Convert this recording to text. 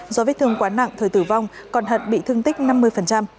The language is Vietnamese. do vết thương quá nặng thời tử vong còn hận bị thương tích năm mươi